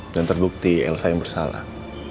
dan terbukti elsa yang bersalah